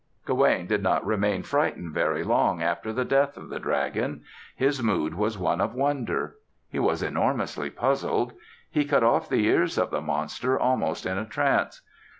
Gawaine did not remain frightened very long after the death of the dragon. His mood was one of wonder. He was enormously puzzled. He cut off the ears of the monster almost in a trance.